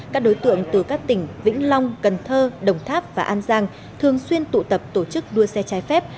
các đối tượng từ các tỉnh vĩnh long cần thơ đồng tháp và an giang thường xuyên tụ tập tổ chức đua xe trái phép